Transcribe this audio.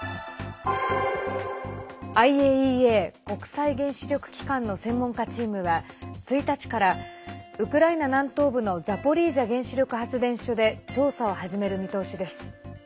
ＩＡＥＡ＝国際原子力機関の専門家チームは１日からウクライナ南東部のザポリージャ原子力発電所で調査を始める見通しです。